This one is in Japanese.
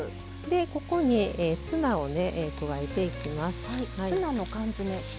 でここにツナをね加えていきます。